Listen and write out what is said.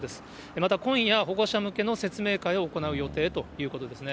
また今夜、保護者向けの説明会を行う予定ということですね。